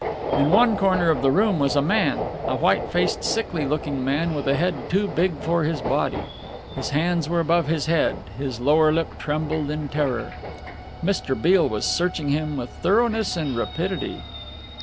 In one corner of the room was a man, a white faced, sickly looking man with a head too big for his body. His hands were above his head, his lower lip trembled in terror. Mr. Beale was searching him with thoroughness and rapidity.